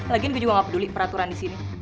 lagian gue juga nggak peduli peraturan di sini